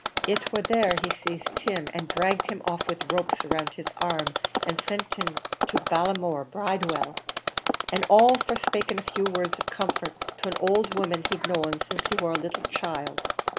It war there he sazed Tim, an' dragged him off with ropes round his arms, an' sent him to Ballinamore Bridewell, an' all for 'spaking a few words of comfort to an owld woman he'd known since he war a little child.